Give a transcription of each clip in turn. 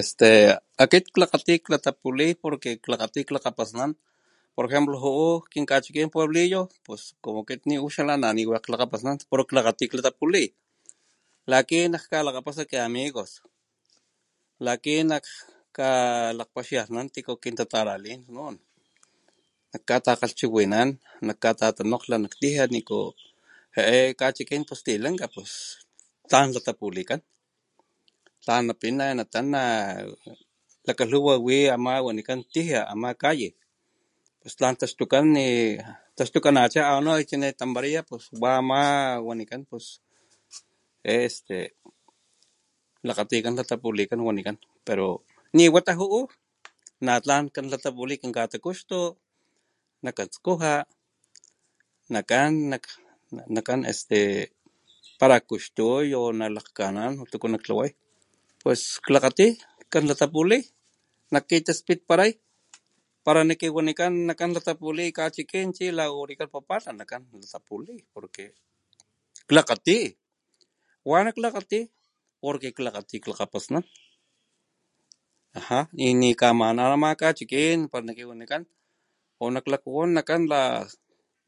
Este akit klakgati klatapuli porque klakgati lakgapasnan por jemplo ju'u kin kachikin Pueblillo pus como kit ni ú xalá naniwakg klakgapasnan pero klakgati latapuli la ki najkalakgapasa ki amigos laki nak kalakgpaxialhnan tiku kintataralin najkatakgalhchiwinanan naj katatonokglha nak tijia niku je'e kachikin pus tilanka pus tlan latapulikan tlan napina natana lakalhuwa wi ama wanikan tijia ama calle pus tlan taxtukan ni taxtukanacha anu y chonu tampalaya wa ama wanikan pus este lakgatikan latapulikan wanikan pero ni wata ju'u na tlan kan latapuli kinkatukuxtu nakan skuja nakan nak nakan este para kuxtuy o nalajkanan o tuku nak tlaway pues klakgati kan latapuli nak kitaspitparay para nakiwanikan nakan latapuli kachikin chi la wanikan Papantla nakan nakan latapuli porque klakgati ¡wana klakgati! porque klakgati klakgapasnan aja y ni kamanaw najkachikin pala nakiwanikan o nak klakpuwan nakan la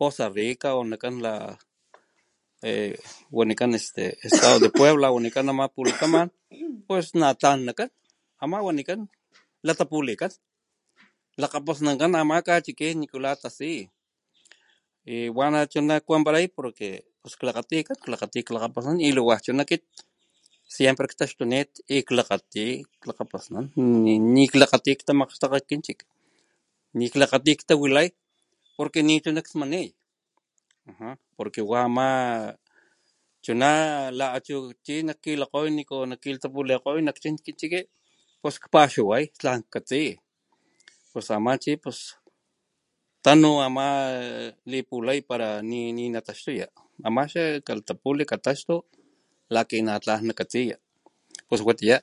Poza Rica o nakan la wanikan este Estado de Puebla wanikan nama pulataman pues natlan nakan ama wanikan latapulikan lakgapasnankan ama kachikin nikula tasi y wana chuna kuanpalay porque pus klakgati kan klakgati lakgapasnan y liwaj chuna kit siempre ktaxtunit y klakgati klakgapasnan ni ni klakgati tamakgxtakga kin chik ni klakgati ktawilay porque nichuna ksmani aja porque wa ama chuna la achu chi najkilakgoy niku kilapapulikgoy nak chin kin chiki pues kpaxaway tlan katsi pus ama chi pus tanu ama lipulay pala ni'ni nataxtuya ama xa kalatapuli kataxtu laki natlan nakatsiya pues watiya.